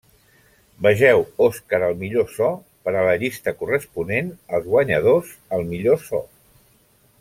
Vegeu Oscar al millor so per a la llista corresponent als guanyadors al millor so.